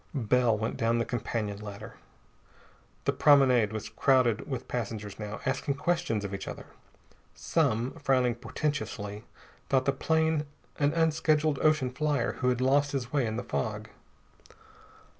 Bell went down the companion ladder. The promenade was crowded with passengers now, asking questions of each other. Some, frowning portentously, thought the plane an unscheduled ocean flier who had lost his way in the fog.